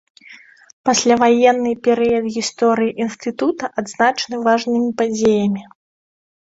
Пасляваенны перыяд гісторыі інстытута адзначаны важнымі падзеямі.